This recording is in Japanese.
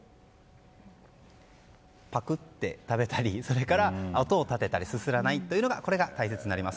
ぱくって食べたり、音を立てたりすすらないというのがこれが大切になります。